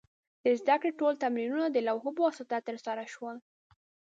د زده کړې ټول تمرینونه د لوحو په واسطه ترسره شول.